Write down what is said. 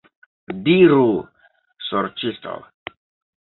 Diru, sorĉisto!